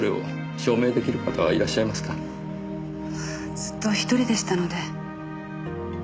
ずっと１人でしたので。